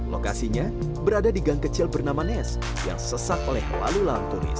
lokasinya berada di gang kecil bernama nes yang sesak oleh lalu lalang turis